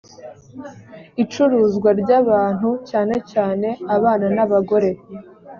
icuruzwa ry abantu cyane cyane abana n abagore